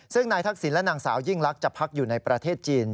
ซึ่งนายทักษิณและนางสาวยิ่งลักษณ์พักอยู่ในประเทศจีน